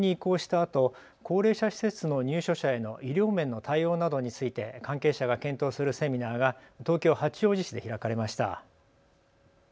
あと高齢者施設の入所者への医療面の対応などについて関係者が検討するセミナーが東京八王子市で開かれました。